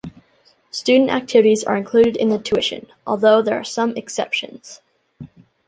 Student activities are included in the tuition, although there are some exceptions.